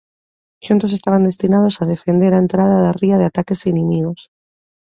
Xuntos estaban destinados a defender a entrada da ría de ataques inimigos.